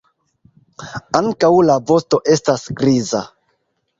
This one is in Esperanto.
Ankaŭ la vosto estas griza.